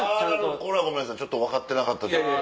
これはごめんなさいちょっと分かってなかった。